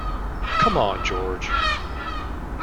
Come On George!